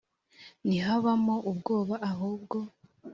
ntihabamo ubwoba ahubwo